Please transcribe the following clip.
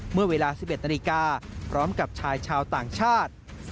เมื่อเวลา๑๑นาฬิกาพร้อมกับชายชาวต่างชาติ